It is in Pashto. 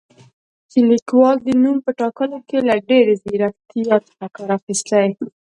چې لیکوال د نوم په ټاکلو کې له ډېرې زیرکتیا څخه کار اخیستی